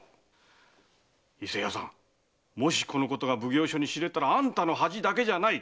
もしこのことが奉行所に知れたらあんたの恥だけじゃない。